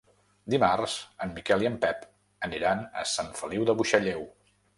Dimarts en Miquel i en Pep aniran a Sant Feliu de Buixalleu.